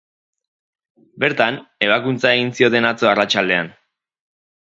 Bertan, ebakuntza egin zioten atzo arratsaldean.